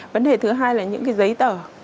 vấn đề thứ hai là những giấy tờ